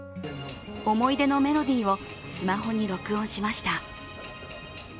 思い出のメロディーをスマホに録音しました。